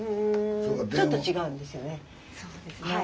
ちょっと違うんですよね。